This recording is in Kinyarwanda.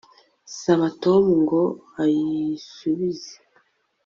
Saba Tom ngo ayisubize